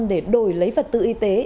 để đổi lấy vật tự y tế